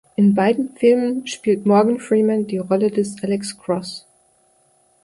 In beiden Filmen spielt Morgan Freeman die Rolle des Alex Cross.